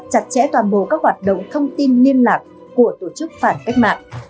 chặt chẽ toàn bộ các hoạt động thông tin liên lạc của tổ chức phản cách mạng